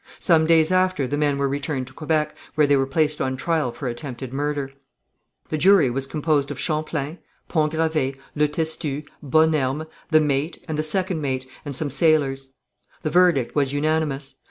Some days after the men were returned to Quebec, where they were placed on trial for attempted murder. The jury was composed of Champlain, Pont Gravé, Le Testu, Bonnerme, the mate and the second mate, and some sailors. The verdict was unanimous.